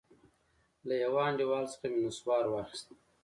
له يوه انډيوال څخه مې نسوار واخيست.